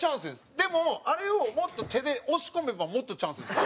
でもあれをもっと手で押し込めばもっとチャンスです。